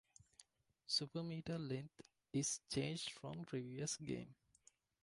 Super Meter length is changed from previous game.